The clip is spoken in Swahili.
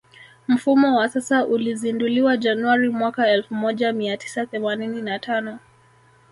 Mfumo wa sasa ulizinduliwa Januari mwaka elfu moja mia tisa themanini na tano